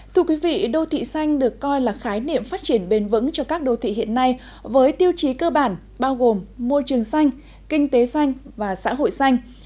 thưa quý vị đô thị xanh được coi là khái niệm phát triển bền vững cho các đô thị hiện nay với tiêu chí cơ bản bao gồm môi trường xanh kinh tế xanh và xã hội xanh